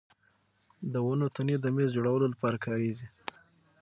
د ونو تنې د مېز جوړولو لپاره کارېږي.